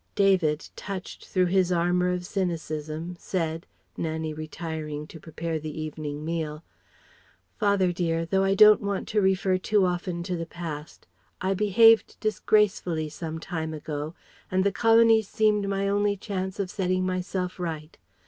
David touched through his armour of cynicism, said Nannie retiring to prepare the evening meal "Father dear, though I don't want to refer too often to the past, I behaved disgracefully some time ago and the Colonies seemed my only chance of setting myself right.